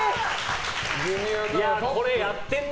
これ、やってんな。